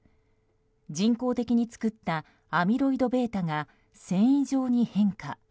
人工的に作ったアミロイドβが繊維状に変化。